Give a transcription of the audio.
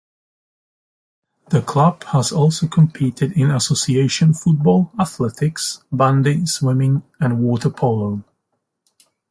The club has also competed in association football, athletics, bandy, swimming, and water polo.